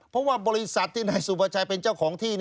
เพราะว่าบริษัทที่นายสุภาชัยเป็นเจ้าของที่